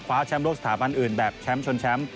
แชมป์โลกสถาบันอื่นแบบแชมป์ชนแชมป์